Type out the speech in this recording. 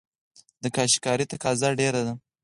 د کاشي کارۍ تقاضا ډیره ده